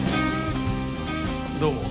どうも。